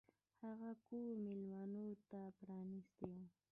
هغه کور میلمنو ته پرانیستی و.